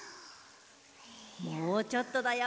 もうちょっとだよ。